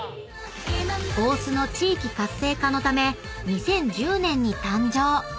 ［大須の地域活性化のため２０１０年に誕生］